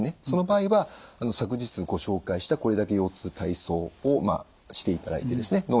その場合は昨日ご紹介した「これだけ腰痛体操」をしていただいてですね